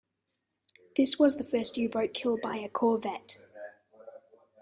This was the first U-boat kill by a corvette.